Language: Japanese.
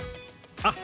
あっ